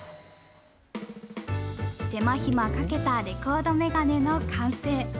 手間暇かけたレコードメガネの完成。